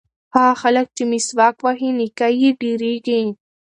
هغه خلک چې مسواک وهي نیکۍ یې ډېرېږي.